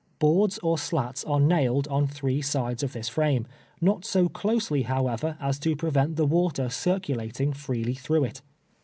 Boards or slats are nailed on three sides of tliis frame, not so closely, however, as to pre vent the M^ater circulating freely through it.